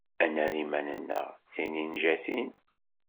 Ad nerr iman-nneɣ d ininjaten.